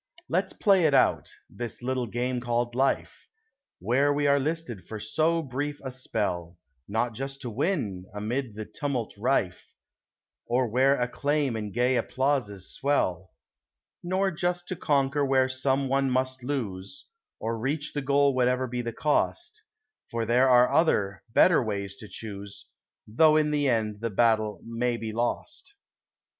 Let's play it out this little game called Life, Where we are listed for so brief a spell; Not just to win, amid the tumult rife, Or where acclaim and gay applauses swell; Nor just to conquer where some one must lose, Or reach the goal whatever be the cost; For there are other, better ways to choose, Though in the end the battle may be lost.